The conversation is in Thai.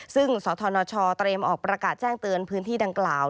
ซึ่งสธนชเตรียมออกประกาศแจ้งเตือนพื้นที่ดังกล่าว